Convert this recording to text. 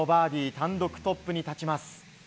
単独トップに立ちます。